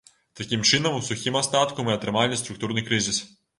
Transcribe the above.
Такім чынам, у сухім астатку мы атрымалі структурны крызіс.